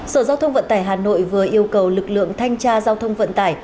sở giao thông vận tải hà nội vừa yêu cầu lực lượng thanh tra giao thông vận tải